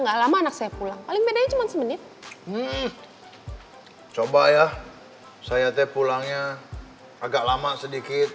enggak lama anak saya pulang paling bedanya cuma semenit coba ya saya teh pulangnya agak lama sedikit